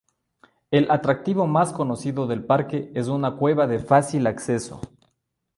El atractivo más conocido del parque es una cueva de fácil acceso.